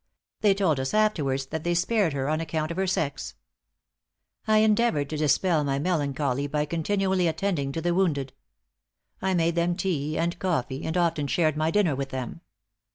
They told us afterwards that they spared her on account of her sex. "I endeavored to dispel my melancholy by continually attending to the wounded. I made them tea and coffee, and often shared my dinner with them.